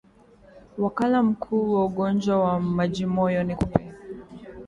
Wakala mkuu wa ugonjwa wa majimoyo ni kupe